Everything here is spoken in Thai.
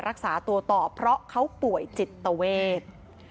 รักษาตัวต่อเพราะเขาป่วยจิตเวท